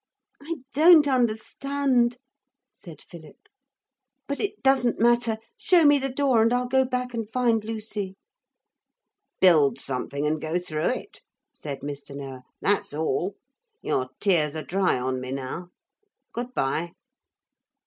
'I don't understand,' said Philip; 'but it doesn't matter. Show me the door and I'll go back and find Lucy.' 'Build something and go through it,' said Mr. Noah. 'That's all. Your tears are dry on me now. Good bye.'